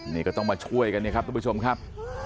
นี่ก็ต้องมาช่วยกันเนี่ยครับทุกผู้ชมครับ